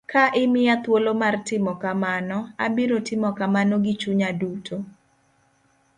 Ka imiya thuolo mar timo kamano, abiro timo kamano gi chunya duto.